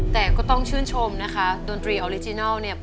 แต่ก็ต้องชื่นชมนะคะดนตรีออริจินัลเนี่ย